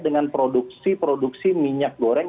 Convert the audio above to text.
dengan produksi produksi minyak goreng